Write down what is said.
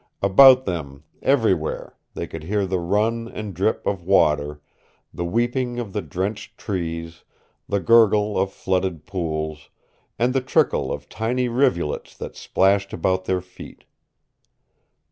About them everywhere they could hear the run and drip of water, the weeping of the drenched trees, the gurgle of flooded pools, and the trickle of tiny rivulets that splashed about their feet.